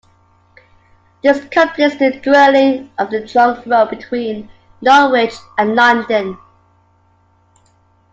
This completes the dualling of the trunk road between Norwich and London.